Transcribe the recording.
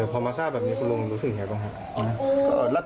พอมาทราบแบบนี้คุณลุงรู้สึกยังไงบ้างครับ